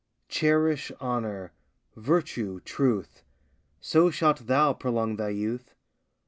Cherish honour, virtue, truth, So shalt thou prolong thy youth.